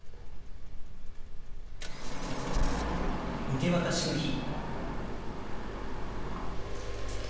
受け渡しの日。